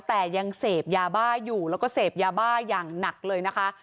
แต่ยังเสพยาบ้าอยู่แล้วก็เสพยาบ้าอย่างหนักเลยนะคะ